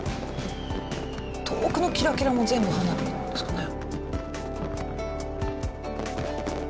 遠くのキラキラも全部花火なんですかね？